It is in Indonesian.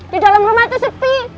di dalam rumah itu sepi